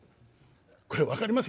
これ分かります？